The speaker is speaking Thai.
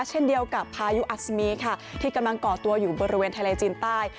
เช่นเดียวกับพายุอัศมีค่ะที่กำลังก่อตัวอยู่บริเวณทะเลจีนใต้